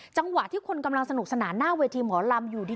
จังหวะที่คนกำลังสนุกสนานหน้าเวทีหมอลำอยู่ดี